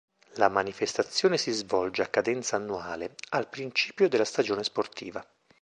La manifestazione si svolge a cadenza annuale, al principio della stagione sportiva.